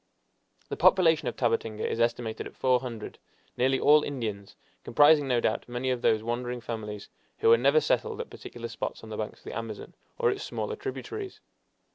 The population of Tabatinga is estimated at four hundred, nearly all Indians, comprising, no doubt, many of those wandering families who are never settled at particular spots on the banks of the Amazon or its smaller tributaries.